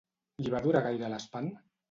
Li va durar gaire l'espant?